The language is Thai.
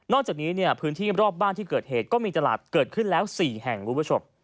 จากนี้เนี่ยพื้นที่รอบบ้านที่เกิดเหตุก็มีตลาดเกิดขึ้นแล้ว๔แห่งคุณผู้ชม